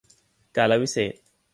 กาลวิเศษณ์